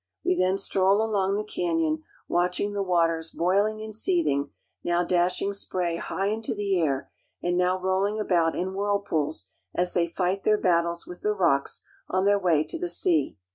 We then stroll along the canyon, watch ing the waters boiling and seething, now dashing spray high into the air, and now rolling about in whirlpools as they fight their battles with the rocks on their way to the sea.